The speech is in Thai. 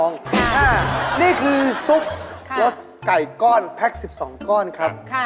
นี่คือซุปรสไก่ก้อนแพ็ค๑๒ก้อนครับ